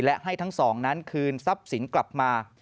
และให้ทั้งสองนั้นคืนทรัพย์สินกลับมา